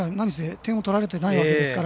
点を取られていないわけですから。